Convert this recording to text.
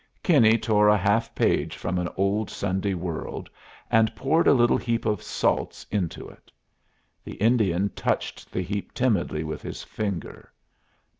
Kinney tore a half page from an old Sunday World, and poured a little heap of salts into it. The Indian touched the heap timidly with his finger.